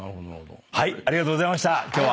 ありがとうございました今日は。